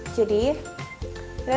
jadi kita tinggal